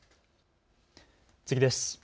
次です。